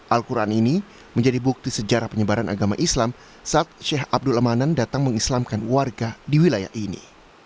al quran ini menjadi bukti sejarah penyebaran agama islam saat sheikh abdul amanan datang mengislamkan warga di wilayah ini